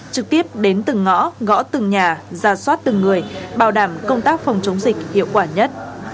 trực tiếp đến từng ngõ gõ từng nhà ra soát từng người bảo đảm công tác phòng chống dịch hiệu quả nhất